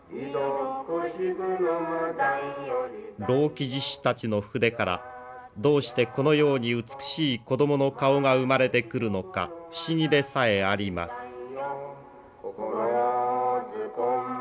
老木地師たちの筆からどうしてこのように美しい子どもの顔が生まれてくるのか不思議でさえあります。